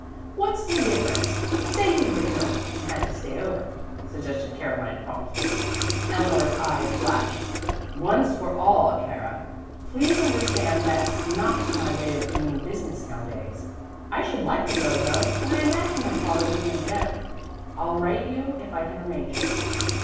"What's the difference? Say you were ill and had to stay over," suggested Caroline promptly. Eleanor's eyes flashed. "Once for all, Cara, please understand that's not my way of doing business nowadays. I should like to go, though, and I imagine my father wouldn't object. I'll write you if I can arrange it."